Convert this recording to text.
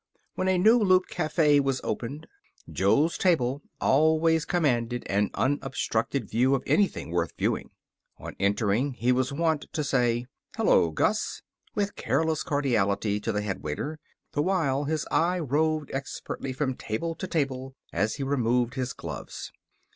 When a new Loop cafe' was opened, Jo's table always commanded an unobstructed view of anything worth viewing. On entering he was wont to say, "Hello, Gus," with careless cordiality to the headwaiter, the while his eye roved expertly from table to table as he removed his gloves.